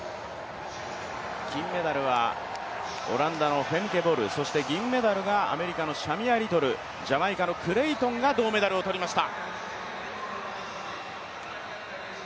金メダルはオランダのフェムケ・ボル、そして銀メダルがアメリカのシャミア・リトル、ジャマイカのクレイトンが銅メダルを取りました。